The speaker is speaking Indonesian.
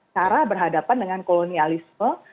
cara berhadapan dengan kolonialisme